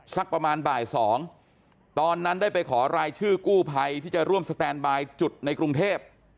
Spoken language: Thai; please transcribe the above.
สักประมาณบ่าย๒ตอนนั้นได้ไปขอรายชื่อกู้ภัยที่จะร่วมสแตนบายจุดในกรุงเทพ